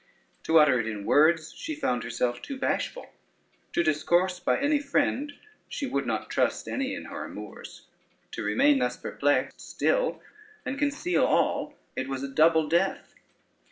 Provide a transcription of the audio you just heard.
To utter it in words she found herself too bashful; to discourse by any friend she would not trust any in her amours; to remain thus perplexed still and conceal all, it was a double death.